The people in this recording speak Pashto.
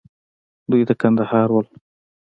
دوى د کندهار وو.